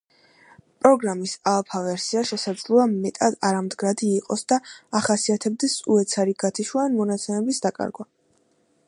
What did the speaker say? პროგრამის ალფა ვერსია, შესაძლოა მეტად არამდგრადი იყოს და ახასიათებდეს უეცარი გათიშვა ან მონაცემების დაკარგვა.